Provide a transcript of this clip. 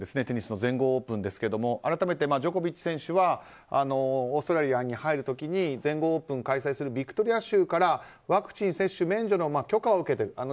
テニスの全豪オープンですが改めて、ジョコビッチ選手はオーストラリアに入る時に全豪オープンを開催するビクトリア州からワクチン接種免除の許可を受けている。